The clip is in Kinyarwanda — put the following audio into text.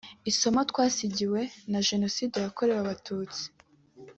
“ Isomo twasigiwe na Jenoside yakorewe abatutsi